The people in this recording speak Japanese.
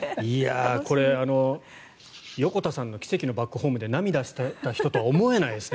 これ、横田さんの「奇跡のバックホーム」で涙した人とは思えないですね